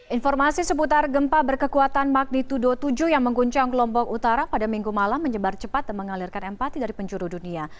informasi seputar gempa berkekuatan magnitudo tujuh yang mengguncang kelompok utara pada minggu malam menyebar cepat dan mengalirkan empati dari penjuru dunia